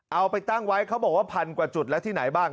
เอาไปตั้งไว้เขาบอกว่าพันกว่าจุดแล้วที่ไหนบ้าง